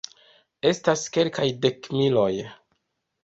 Estas kelkaj dekmiloj.